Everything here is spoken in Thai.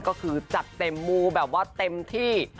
ก็คือจัดเต็มมูแบบว่าเต็มที่